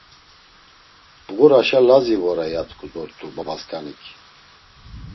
Bğuraşa Lazi vore, ya tku dort̆u babasǩanik.